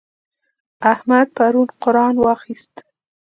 احمد پرون قرآن واخيست.